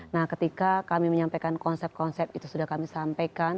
nah ketika kami menyampaikan konsep konsep itu sudah kami sampaikan